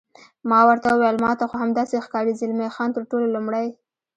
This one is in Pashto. ما ورته وویل: ما ته خو همداسې ښکاري، زلمی خان: تر ټولو لومړی.